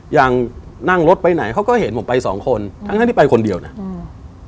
อย่างนั่งรถไปไหนเขาก็เห็นผมไปสองคนทั้งที่ไปคนเดียวเนี่ย